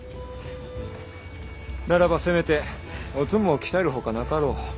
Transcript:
ならばせめておつむを鍛えるほかなかろう。